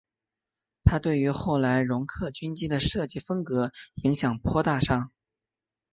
它对于后来容克军机的设计风格影响颇大上。